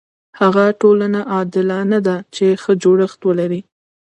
هغه ټولنه عادلانه ده چې ښه جوړښت ولري.